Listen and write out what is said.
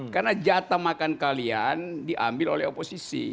karena jatah makan kalian diambil oleh oposisi